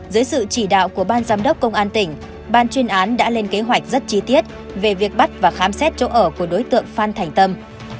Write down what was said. dưới sự chỉ đạo của ban giám đốc công an tỉnh ban chuyên án đã lên kế hoạch rất chi tiết về việc bắt và khám xét chỗ ở của đối tượng phan thành tâm